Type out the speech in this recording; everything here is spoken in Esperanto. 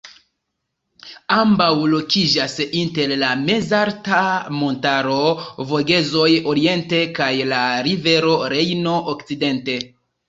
Ambaŭ lokiĝas inter la mezalta montaro Vogezoj oriente kaj la rivero Rejno okcidente.